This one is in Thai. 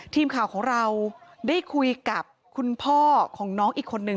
ทีมข่าวของเราได้คุยกับคุณพ่อของน้องอีกคนนึง